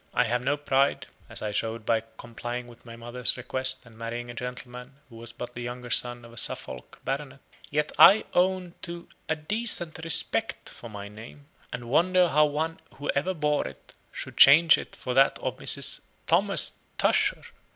I have no pride (as I showed by complying with my mother's request, and marrying a gentleman who was but the younger son of a Suffolk Baronet), yet I own to A DECENT RESPECT for my name, and wonder how one who ever bore it, should change it for that of Mrs. THOMAS TUSHER.